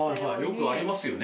よくありますよね。